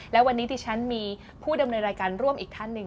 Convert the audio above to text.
และวันนี้ที่ฉันมีผู้ดำเนินรายการร่วมอีกท่านหนึ่ง